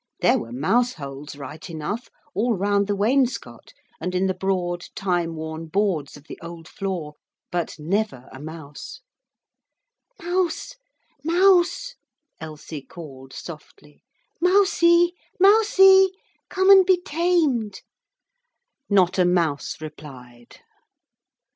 There were mouse holes right enough, all round the wainscot, and in the broad, time worn boards of the old floor. But never a mouse. 'Mouse, mouse!' Elsie called softly. 'Mousie, mousie, come and be tamed!' Not a mouse replied.